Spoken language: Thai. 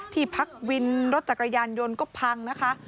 ที่พักวินรถจักรยานยนต์ก็พังนะคะ